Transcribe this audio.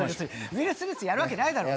ウィル・スミスやるわけないだろ。